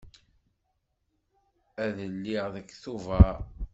Ad d-iliɣ deg Tubeṛ.